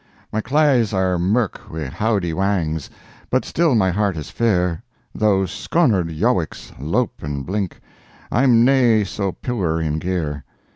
My claes are mirk wi' howdie whangs, But still my heart is fair, Though sconnered yowics loup an' blink, I'm nae so puir in gear.